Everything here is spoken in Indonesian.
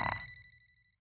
kisah penuh haru